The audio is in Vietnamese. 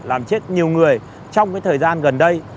làm chết nhiều người trong thời gian gần đây